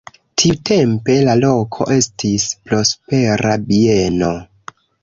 Tiutempe la loko estis prospera bieno.